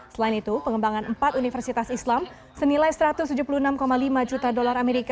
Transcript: selain itu pengembangan empat universitas islam senilai satu ratus tujuh puluh enam lima juta dolar amerika